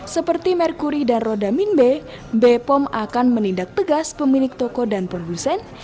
seperti merkuri dan rodamin b bepom akan menindak tegas pemilik toko dan produsen